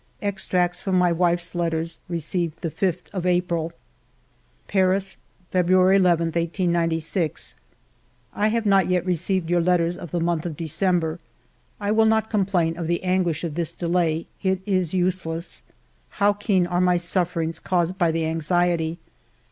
Extracts from my wife's letters received the 5th of April :— "Paris, February ii, 1896. "I have not yet received your letters of the month of December. I will not complain of the anguish of this delay ; it is useless. How keen are my sufferings caused by the anxiety